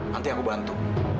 nanti aku bantu